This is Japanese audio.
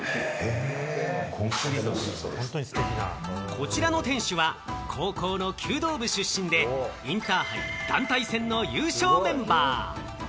こちらの店主は高校の弓道部出身で、インターハイ団体戦の優勝メンバー。